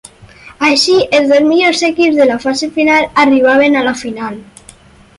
Així els dos millors equips de la fase final arribaven a la final.